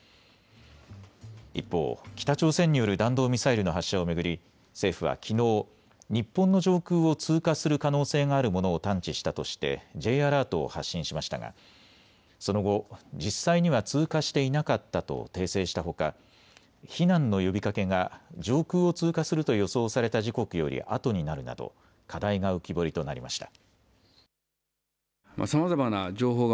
一方、北朝鮮による弾道ミサイルの発射を巡り政府はきのう、日本の上空を通過する可能性があるものを探知したとしてＪアラートを発信しましたがその後、実際には通過していなかったと訂正したほか避難の呼びかけが上空を通過すると予想された時刻よりあとになるなど課題が浮き彫りとなりました。